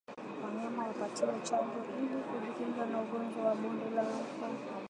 Wanyama wapatiwe chanjo ili kujikinga na ugonjwa wa bonde la ufa